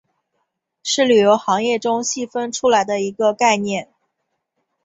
是旅游行业中细分出来的一个概念。